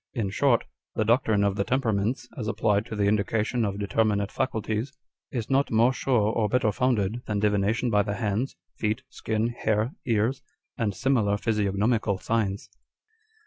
In short, the doctrine of the temperaments, as applied to the indication of determinate faculties, is not more sure or better founded, than divination by the hands, feet, skin, hair, ears, and similar physiognomical signs."